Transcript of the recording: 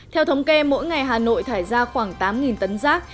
theo thống kê mỗi ngày hà nội thải ra khoảng tám tấn rác